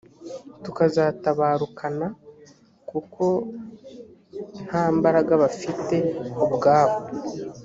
tukazatabarukana kuko ntambaraga bafite ubwabo